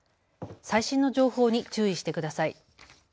最新の情報に注意してください。